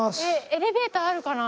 エレベーターあるかな？